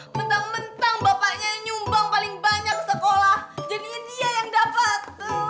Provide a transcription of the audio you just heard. mentang mentang bapaknya nyumbang paling banyak sekolah jadi dia yang dapat